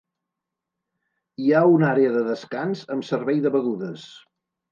Hi ha una àrea de descans amb servei de begudes.